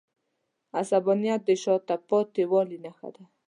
عصبانیت د شاته پاتې والي نښه ده.